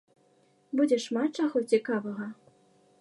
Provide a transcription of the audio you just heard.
Будзе шмат чаго цікавага!